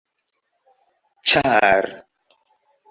ĉar